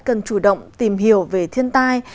cần chủ động tìm hiểu về thiên tai